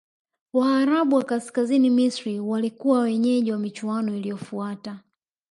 waarabu wa kaskazini misri walikuwa wenyeji wa michuano iliyofuata